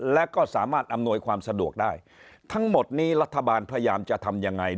และก็สามารถอำนวยความสะดวกได้ทั้งหมดนี้รัฐบาลพยายามจะทำยังไง